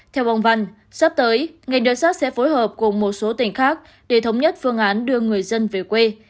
theo ông văn sắp tới ngày đợt sát sẽ phối hợp cùng một số tỉnh khác để thống nhất phương án đưa người dân về quê